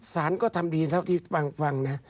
สารก็ทำดีเท่าที่ฟังนะ